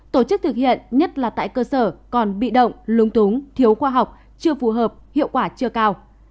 tổ chức thực hiện nhất là tại cơ sở còn bị động lúng túng thiếu khoa học chưa phù hợp hiệu quả chưa cao